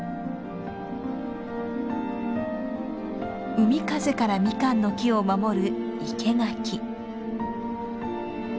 海風からミカンの木を守る